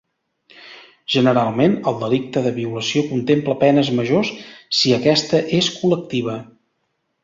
Generalment, el delicte de violació contempla penes majors si aquesta és col·lectiva.